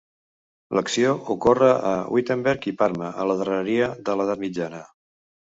L'acció ocorre a Wittenberg i Parma a la darreria de l'edat mitjana.